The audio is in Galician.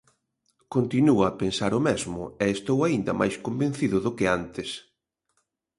Continuo a pensar o mesmo, e estou aínda máis convencido do que antes.